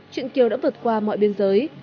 chuyện kiều đã vượt qua mọi biên giới